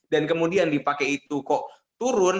dan kemudian dipakai itu kok turun